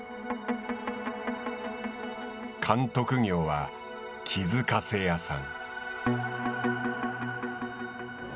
監督業は気づかせ屋さん。